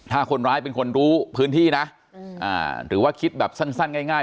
ถ้าคนร้ายเป็นคนรู้พื้นที่นะอืมอ่าหรือว่าคิดแบบสั้นสั้นง่ายง่าย